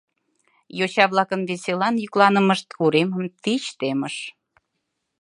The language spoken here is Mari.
Йоча-влакын веселан йӱкланымышт уремым тич темыш.